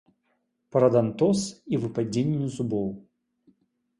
Парадантоз і выпадзенне зубоў.